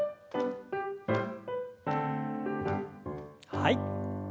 はい。